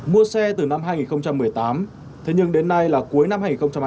mua xe từ năm hai nghìn một mươi tám thế nhưng đến nay là cuối năm hai nghìn hai mươi